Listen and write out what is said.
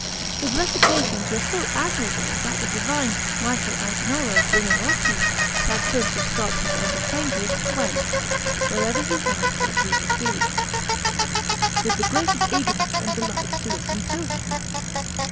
His recitations were so admirable, that the divine Michel Agnolo Buonarroti, that prince of sculptors and of painters, went, wherever he heard that he would be, with the greatest eagerness and delight to listen to him.